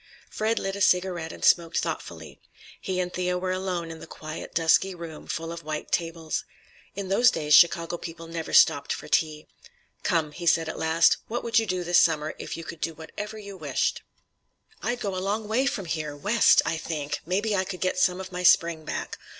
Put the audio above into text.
Fred lit a cigarette and smoked thoughtfully. He and Thea were alone in the quiet, dusky room full of white tables. In those days Chicago people never stopped for tea. "Come," he said at last, "what would you do this summer, if you could do whatever you wished?" "I'd go a long way from here! West, I think. Maybe I could get some of my spring back.